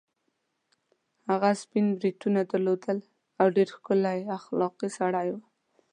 هغه سپین بریتونه درلودل او ډېر ښکلی اخلاقي سړی وو.